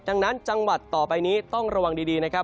ดังนั้นจังหวัดต่อไปนี้ต้องระวังดีนะครับ